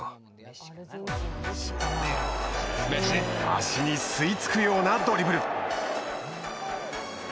足に吸い付くようなドリブル。